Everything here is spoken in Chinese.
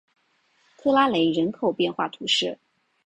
克拉雷人口变化图示